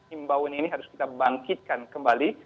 imbauan ini harus kita bangkitkan kembali